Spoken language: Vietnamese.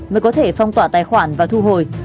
mới có thể phong tỏa tài khoản và thu hồi